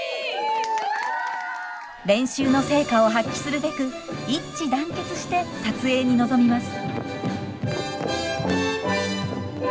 練習の成果を発揮するべく一致団結して撮影に臨みます。